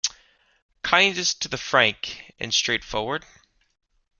Kindest to be frank and straightforward?